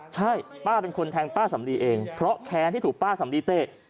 ใช่ป้าเป็นคนแทงป้าสำลีเองเพราะแค้นที่ถูกป้าสำลีเตะ